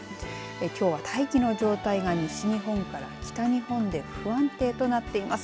きょうは大気の状態が西日本から北日本で不安定となっています。